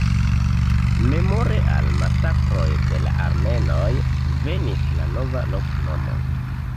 Memore al masakroj de la armenoj venis la nova loknomo.